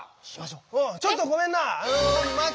ちょっとごめんな！